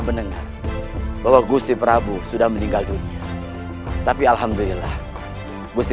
mendengar bahwa gusti prabu sudah meninggal dunia tapi alhamdulillah gusi